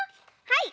はい。